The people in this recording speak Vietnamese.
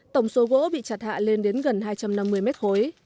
tổng số gỗ bị chặt hạ lên đến gần hai trăm năm mươi mét khối